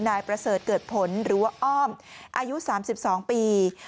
นายประเสริฐเกิดผลหรือว่าอ้อมอายุ๓๒ปี